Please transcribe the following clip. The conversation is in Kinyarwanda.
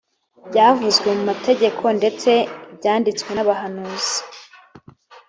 byavuzwe mu mategeko ndetse ibyanditswe n abahanuzi